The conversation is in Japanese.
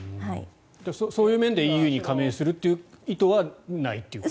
そういう面でＥＵに加盟する意図というのはないと。